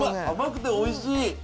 甘くておいしい。